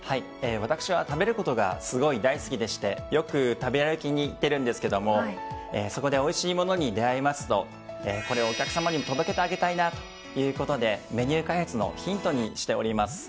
私は食べることがすごい大好きでしてよく食べ歩きに行ってるんですけどもそこでおいしい物に出合いますとこれをお客さまにも届けてあげたいなということでメニュー開発のヒントにしております。